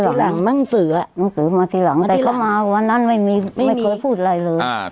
หนังสือมาที่หลังแต่เข้ามาวันนั้นไม่เคยพูดอะไรเลย